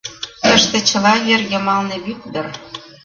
Тыште чыла вер йымалне вӱд дыр.